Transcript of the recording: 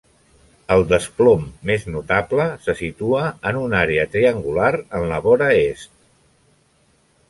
El desplom més notable se situa en una àrea triangular en la vora est.